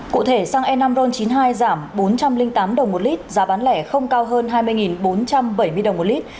cụ thể xăng e năm ron chín mươi hai giảm bốn trăm linh tám đồng một lít giá bán lẻ không cao hơn hai mươi bốn trăm bảy mươi đồng một lít